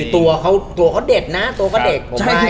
ตัวเขาเด็ดนะตัวก็เด็ด